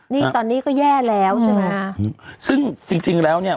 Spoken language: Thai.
นี่ตอนนี้ก็แย่แล้วใช่ไหมซึ่งจริงจริงแล้วเนี่ย